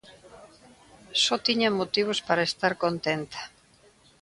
Só tiña motivos para estar contenta.